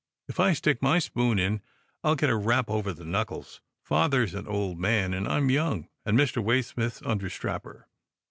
"If I stick my spoon in, I'll get a rap over the knuckles. Father's an old man, and I'm young, and Mr. Waysmith's under strapper.